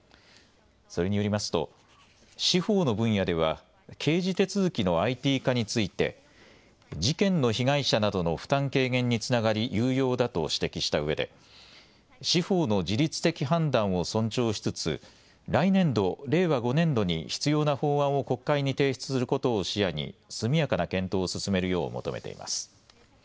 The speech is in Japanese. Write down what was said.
それによりますと司法の分野では刑事手続きのＩＴ化について事件の被害者などの負担軽減につながり有用だと指摘したうえで司法の自律的判断を尊重しつつ来年度令和５年度に必要な法案を国会に提出することを視野に速やかな検討を進めるよう求めています。